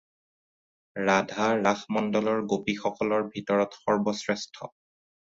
ৰাধা ৰাসমণ্ডলৰ গোপীসকলৰ ভিতৰত সৰ্বশ্ৰেষ্ঠ।